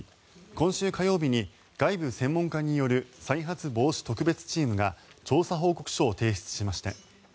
今週火曜日に外部専門家による再発防止特別チームが調査報告書を提出しました。